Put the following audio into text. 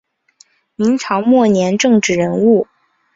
明朝末年政治人物。